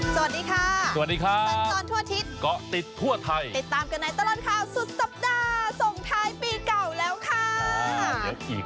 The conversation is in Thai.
สวัสดีค่ะสวัสดีค่ะสัญจรทั่วอาทิตย์เกาะติดทั่วไทยติดตามกันในตลอดข่าวสุดสัปดาห์ส่งท้ายปีเก่าแล้วค่ะ